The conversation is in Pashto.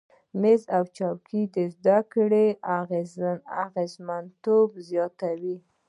میز او چوکۍ د زده کړې اغیزمنتیا زیاتوي.